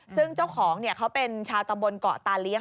ซึ่งเจ้าของเขาเป็นชาวตำบลเกาะตาเลี้ย